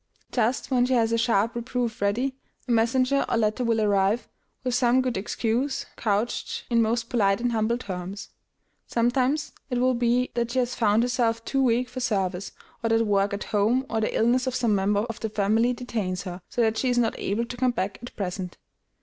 Just when she has a sharp reproof ready, a messenger or letter will arrive, with some good excuse, couched in most polite and humble terms. Sometimes it will be that she has found herself too weak for service, or that work at home, or the illness of some member of the family, detains her, so that she is not able to come back at present.